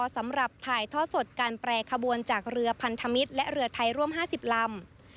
สำหรับถ่ายท่อสดการแปรขบวนจากเรือพันธมิตรและเรือไทยร่วม๕๐ลำ